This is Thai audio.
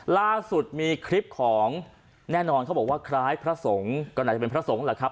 ล่าสุดมีคลิปของแน่นอนเขาบอกว่าคล้ายพระสงฆ์ก็น่าจะเป็นพระสงฆ์แหละครับ